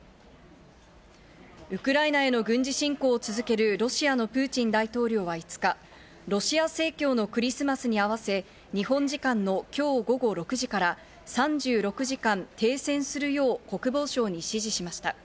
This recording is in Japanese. ウクライナへの軍事侵攻を続けるロシアのプーチン大統領は５日、ロシア正教のクリスマスに合わせ、日本時間の今日午後６時から３６時間停戦するよう国防省に指示しました。